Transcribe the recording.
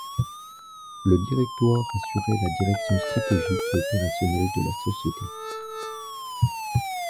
Le directoire assurait la direction stratégique et opérationnelle de la société.